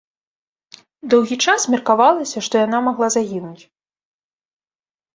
Доўгі час меркавалася, што яна магла загінуць.